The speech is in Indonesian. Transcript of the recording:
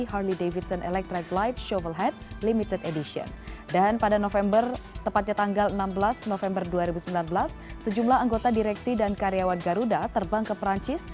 pada bulan dua ribu sembilan belas sejumlah anggota direksi dan karyawan garuda terbang ke perancis